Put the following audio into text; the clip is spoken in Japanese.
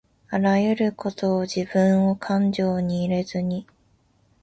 あらゆることをじぶんをかんじょうに入れずに